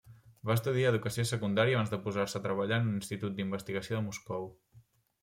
Va estudiar Educació Secundària abans de posar-se a treballar en un institut d'investigació de Moscou.